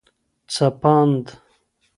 ځپاند